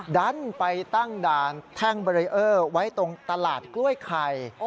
ดันไปตั้งด่านแท่งเบรีเออร์ไว้ตรงตลาดกล้วยไข่